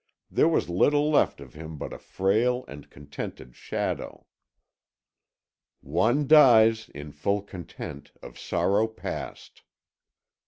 There was little left of him but a frail and contented shadow. "One dies, in full content, of sorrow past."